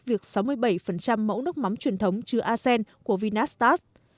việc sáu mươi bảy mẫu nước mắm truyền thống chứa asean của vinatax